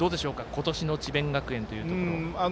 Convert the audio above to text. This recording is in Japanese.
今年の智弁学園というところ。